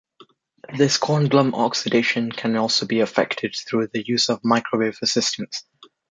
The Kornblum oxidation can be also be effected through the use of microwave assistance.